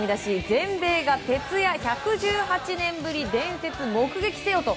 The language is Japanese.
全米が徹夜１１８年ぶり伝説目撃せよと。